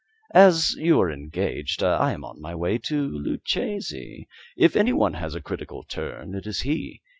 "As you are engaged, I am on my way to Luchesi. If any one has a critical turn, it is he.